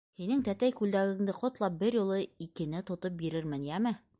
Һинең тәтәй күлдәгеңде ҡотлап, бер юлы икене тотоп бирермен, йәме.